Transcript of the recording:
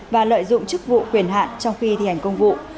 và lợi dụng chức vụ quyền hạn trong khi thi hành công vụ